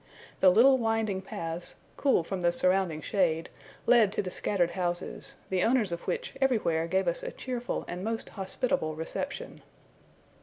The little winding paths, cool from the surrounding shade, led to the scattered houses; the owners of which everywhere gave us a cheerful and most hospitable reception.